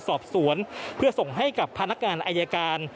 สอบสวนเพื่อส่งให้กับพนักงานอายการ